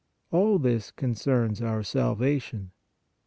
All this concerns our salvation.